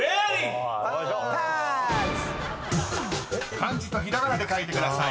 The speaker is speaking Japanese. ［漢字とひらがなで書いてください。